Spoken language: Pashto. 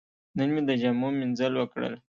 نن مې د جامو مینځل وکړل.